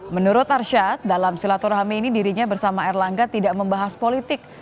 menurut arsyad dalam silaturahmi ini dirinya bersama erlangga tidak membahas politik